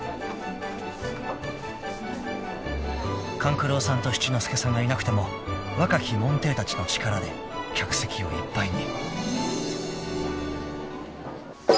［勘九郎さんと七之助さんがいなくても若き門弟たちの力で客席をいっぱいに］